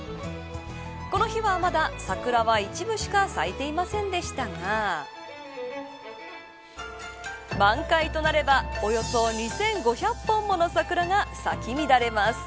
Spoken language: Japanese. この日はまだ、桜は一部しか咲いていませんでしたが満開となればおよそ２５００本もの桜が咲き乱れます。